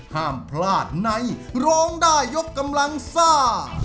ห้ามพลาดในร้องได้ยกกำลังซ่า